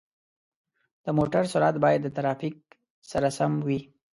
د موټر سرعت باید د ترافیک سره سم وي.